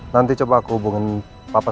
nanti coba aku hubungin bapak